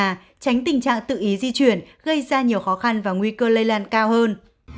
và tránh tình trạng tự ý di chuyển gây ra nhiều khó khăn và nguy cơ lây lan cao hơn